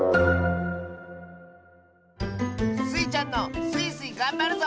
スイちゃんの「スイスイ！がんばるぞ」